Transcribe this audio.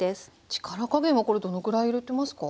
力加減はこれどのくらい入れてますか？